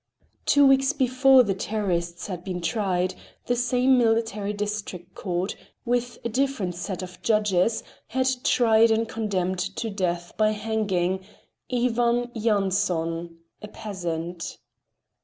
Two weeks before the terrorists had been tried the same military district court, with a different set of judges, had tried and condemned to death by hanging Ivan Yanson, a peasant.